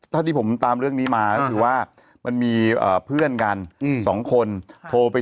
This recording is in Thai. ถ้าที่ผมตามเรื่องนี้มาก็คือว่ามันมีเพื่อนกัน๒คนโทรไป